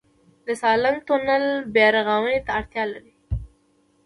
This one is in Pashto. د سالنګ تونل بیارغونې ته اړتیا لري؟